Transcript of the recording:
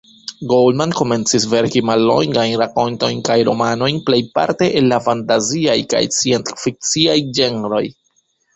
Goldman komencis verki mallongajn rakontojn kaj romanojn, plejparte el la fantaziaj kaj sciencfikciaj ĝenroj.